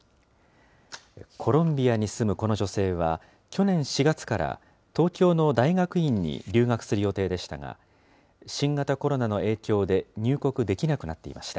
コロンビアに住むこの女性は、去年４月から、東京の大学院に留学する予定でしたが、新型コロナの影響で入国できなくなっていました。